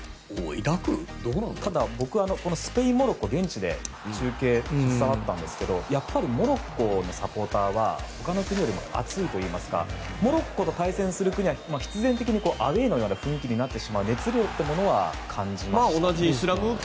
僕、スペインとモロッコを現地で中継に携わったんですがやっぱりモロッコのサポーターは他の国よりも熱いといいますかモロッコと対戦する国は必然的にアウェーのような雰囲気になってしまうので熱量は感じましたね。